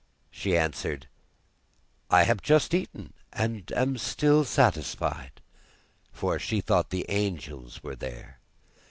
She answered: 'I have just eaten, and am still satisfied,' for she thought the angels were there.